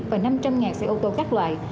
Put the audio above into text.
và năm trăm linh xe ô tô các loại